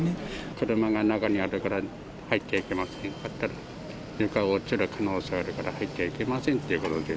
車が中にあるから、入っちゃいけませんかと言ったら、床が落ちる可能性があるから入っちゃいけませんということで。